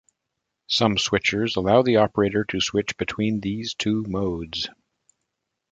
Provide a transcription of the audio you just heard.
Some switchers allow the operator to switch between these two modes.